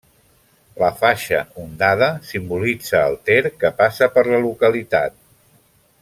La faixa ondada simbolitza el Ter, que passa per la localitat.